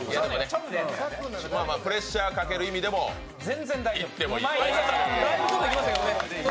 プレッシャーかける意味でも、いってもいい。